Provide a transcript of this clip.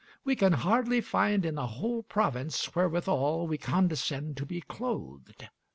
We can hardly find in a whole province wherewithal we condescend to be clothed.